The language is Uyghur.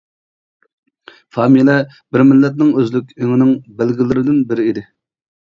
فامىلە بىر مىللەتنىڭ ئۆزلۈك ئېڭىنىڭ بەلگىلىرىدىن بىرى ئىدى.